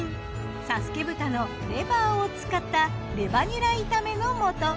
佐助豚のレバーを使ったレバニラ炒めの素。